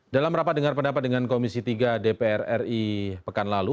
dalam rapat dengar pendapat dengan komisi tiga dpr ri pekan lalu